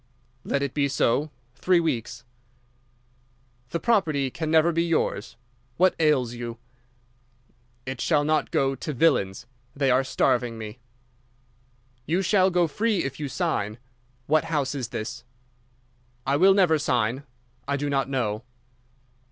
_' "'Let it be so. Three weeks.' "'The property can never be yours. What ails you?' "'It shall not go to villains. They are starving me.' "'You shall go free if you sign. What house is this?' "'I will never sign. _I do not know.